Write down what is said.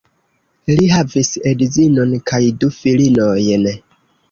Li havis edzinon kaj du filinojn.